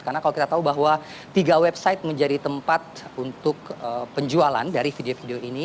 karena kalau kita tahu bahwa tiga website menjadi tempat untuk penjualan dari video video ini